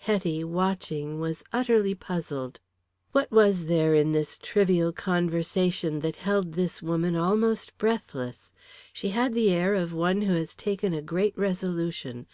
Hetty, watching, was utterly puzzled. What was there in this trivial conversation that held this woman almost breathless? She had the air of one who has taken a great resolution.